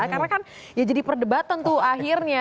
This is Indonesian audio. karena kan ya jadi perdebatan tuh akhirnya